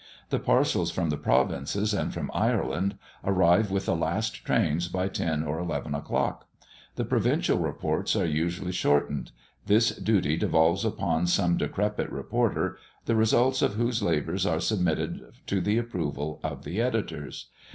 The parcels from the provinces and from Ireland arrive with the last trains by ten or eleven o'clock. The provincial reports are usually shortened; this duty devolves upon some decrepit reporter, the results of whose labours are submitted to the approval of the editors.